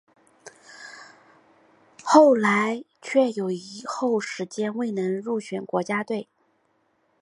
后来却有一后时间未能入选国家队。